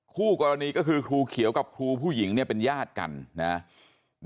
คู่กรณีก็คือครูเขียวกับครูผู้หญิงเนี่ยเป็นญาติกันนะ